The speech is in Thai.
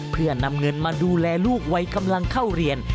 เพื่อนำเงินมาดูแลลูกวัยกำลังเข้าเรียน